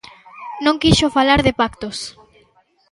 Non quixo falar de pactos.